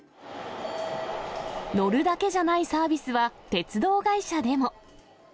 乗るだけじゃないサービスは、鉄道会社でも。